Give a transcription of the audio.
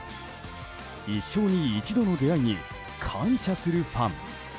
一生に一度の出会いに感謝するファン。